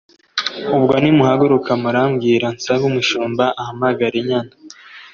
Ubwo nimuhuguka murambwira nsabe umushumba ahamagare inyana